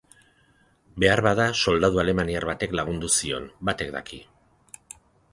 Beharbada soldadu alemaniar batek lagunduko zion, batek daki.